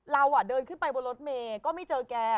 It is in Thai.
เราเดินขึ้นไปบนรถเมย์ก็ไม่เจอแก